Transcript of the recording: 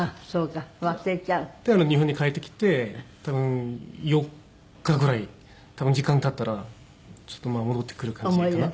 だから日本に帰ってきて多分４日ぐらい時間経ったらちょっと戻ってくる感じかな。